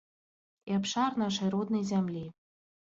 І абшар нашай роднай зямлі.